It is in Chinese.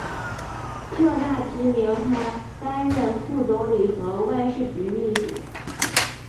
特纳提名他担任副总理和外事局秘书。